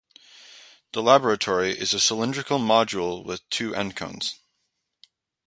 The laboratory is a cylindrical module with two end cones.